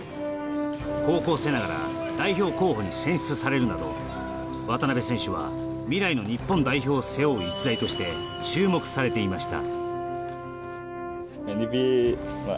高校生ながら代表候補に選出されるなど渡邊選手は、未来の日本代表を背負う逸材として注目されていました。